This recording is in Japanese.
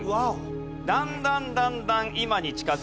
だんだんだんだん今に近づいてきます。